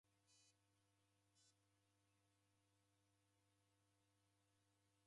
Ola, mneke iyo nguwo.